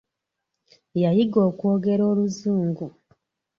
Yayiga okwogera oluzungu.